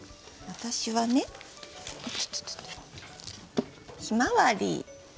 私はね。「ひまわり」。